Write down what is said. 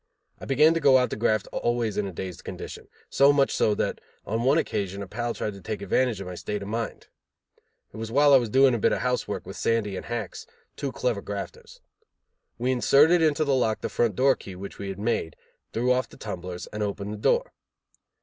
I began to go out to graft always in a dazed condition, so much so that on one occasion a pal tried to take advantage of my state of mind. It was while I was doing a bit of house work with Sandy and Hacks, two clever grafters. We inserted into the lock the front door key which we had made, threw off the tumblers, and opened the door.